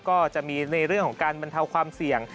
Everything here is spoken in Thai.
ก็จะมีในเรื่องของการบรรเทาความเสี่ยง